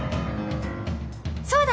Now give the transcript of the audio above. そうだ！